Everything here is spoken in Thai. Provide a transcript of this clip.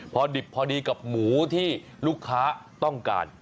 พอดิบพอดีกับหมูที่ลูกค้าต้องการ